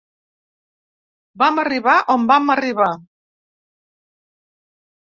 Vam arribar on vam arribar.